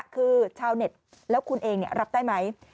คือชาวเน็ตแล้วคุณเองรับได้ไหม